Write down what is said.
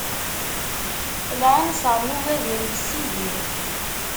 Lɛinṣeṛ n ugadir yessidir.